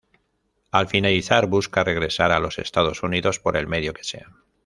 Al finalizar, busca regresar a los Estados Unidos por el medio que sea.